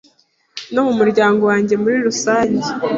no mu muryango wanye muri rusanjye